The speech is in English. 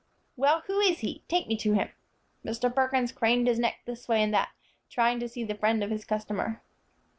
"Well, who is he? Take me to him." Mr. Perkins craned his neck this way and that, trying to see the friend of his customer.